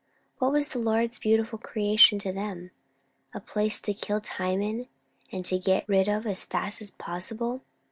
What was the Lord's beautiful creation to them? a place to kill time in, and get rid of it as fast as possible.